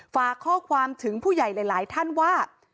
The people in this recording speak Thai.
ฝากข้อความถึงผู้ใหญ่หลายท่านว่า